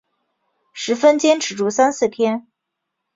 十分坚持住三四天